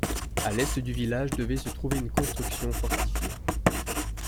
À l'est du village, devait se trouver une construction fortifiée.